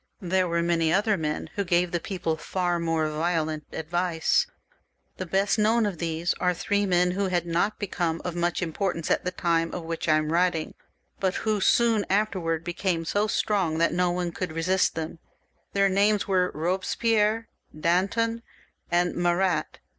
There were many other men who gave the people far more violent advice. The best known of these are three men who had not become of much importance at the time of which I am writing, but who soon afterwards became so strong that no one could resist them. Their names were Eobespierre, Danton, and Marat.